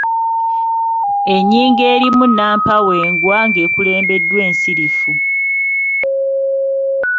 Ennyingo erimu nnampawengwa ng’ekulembeddwa ensirifu.